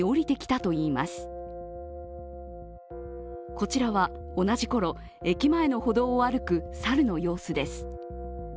こちらは同じ頃、駅前の歩道を歩く猿の様子です。